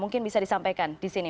mungkin bisa disampaikan di sini